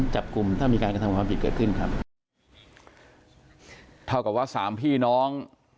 จับกลุ่มถ้ามีการกระทำความผิดเกิดขึ้นครับเท่ากับว่าสามพี่น้อง